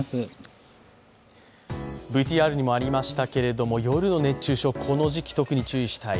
ＶＴＲにもありましたけれども夜の熱中症この時期特に注意したい。